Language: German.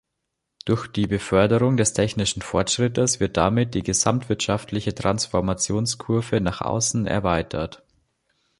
Durch Beförderung des technischen Fortschrittes wird damit die gesamtwirtschaftliche Transformationskurve nach außen erweitert.